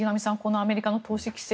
アメリカの投資規制